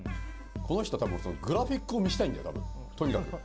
この人、たぶんグラフィックを見せたいんだよ、とにかく。